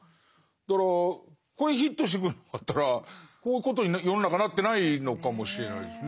だからこれヒットしてくれなかったらこういうことに世の中なってないのかもしれないですね。